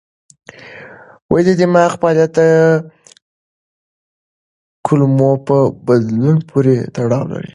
د دماغ فعالیت د کولمو په بدلون پورې تړاو لري.